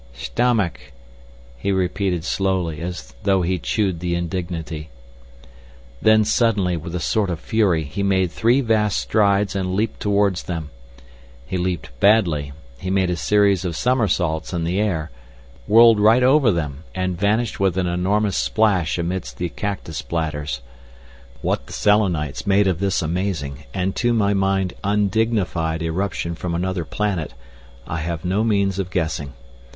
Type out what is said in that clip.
"Stomach," he repeated slowly, as though he chewed the indignity. Then suddenly, with a sort of fury, he made three vast strides and leapt towards them. He leapt badly; he made a series of somersaults in the air, whirled right over them, and vanished with an enormous splash amidst the cactus bladders. What the Selenites made of this amazing, and to my mind undignified irruption from another planet, I have no means of guessing.